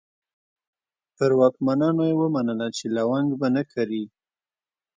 پر واکمنانو یې ومنله چې لونګ به نه کري.